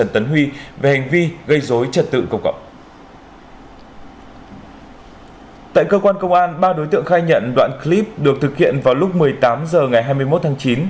tại cơ quan công an ba đối tượng khai nhận đoạn clip được thực hiện vào lúc một mươi tám h ngày hai mươi một tháng chín